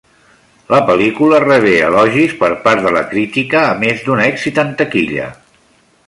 La pel·lícula rebé elogis per part de la crítica, a més d'un èxit en taquilla.